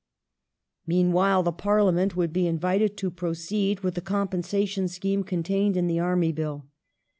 Meanwhile, Parliament would be invited to proceed with the compensation scheme contained in the Army Bill.